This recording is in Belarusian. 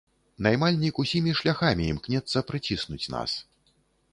Наймальнік усімі шляхамі імкнецца прыціснуць нас.